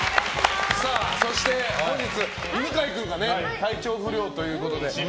そして本日、犬飼君が体調不良ということで。